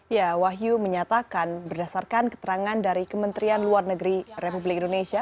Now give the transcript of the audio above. ya wahyu menyatakan berdasarkan keterangan dari kementerian luar negeri republik indonesia